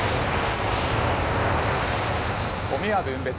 ゴミは分別。